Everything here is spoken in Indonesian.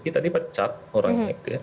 kita dipecat orangnya itu ya